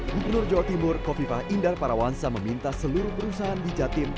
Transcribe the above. gubernur jawa timur kofifah indar parawansa meminta seluruh perusahaan di jatim